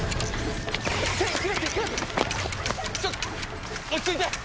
ちょ落ち着いて！